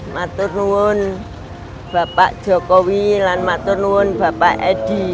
maturnuun bapak jokowi dan maturnuun bapak edy